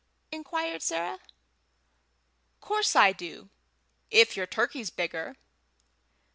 inquired Sarah. "Course I do, if your turkey's bigger."